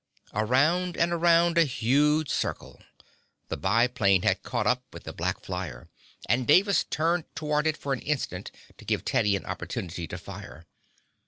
Around and around a huge circle. The biplane had caught up with the black flyer, and Davis turned toward it for an instant to give Teddy an opportunity to fire.